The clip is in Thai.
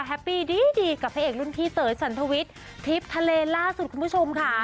ปีดีดีกับพระเอกรุ่นพี่เต๋ยสันทวิทย์ทริปทะเลล่าสุดคุณผู้ชมค่ะ